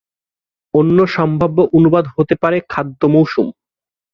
অন্য সম্ভাব্য অনুবাদ হতে পারে "খাদ্য মৌসুম"।